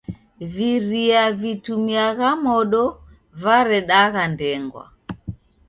Viria vitumiagha modo varedagha ndengwa.